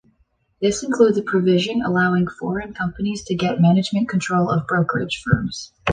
This includes a provision allowing foreign companies to get management control of brokerage firms.